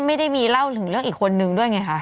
ไม่ได้มีเล่าถึงเรื่องอีกคนนึงด้วยไงคะ